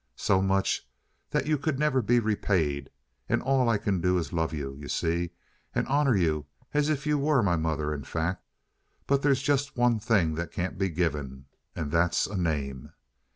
So much that you could never be repaid, and all I can do is to love you, you see, and honor you as if you were my mother, in fact. But there's just one thing that can't be given. And that's a name!"